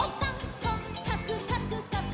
「こっかくかくかく」